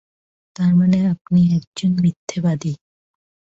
তারমানে আপনি একজন মিথ্যাবাদী।